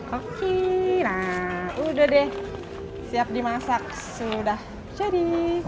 oke nah udah deh siap dimasak sudah jadi